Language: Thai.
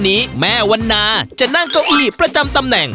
พี่เอิญและก็กล้ามอ่อน๕ลวน